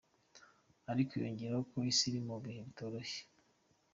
Ariko yongeyeho ko isi iri mu bihe bitoroshye.